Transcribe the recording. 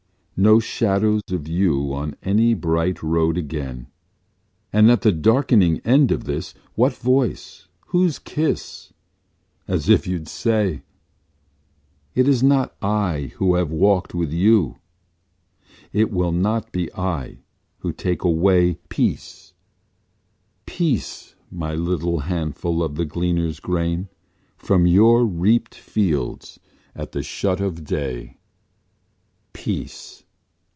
No shadow of you on any bright road again, And at the darkening end of this what voice? whose kiss? As if you'd say! It is not I who have walked with you, it will not be I who take away Peace, peace, my little handful of the gleaner's grain From your reaped fields at the shut of day. Peace!